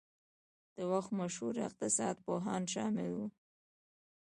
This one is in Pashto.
د وخت مشهور اقتصاد پوهان شامل وو.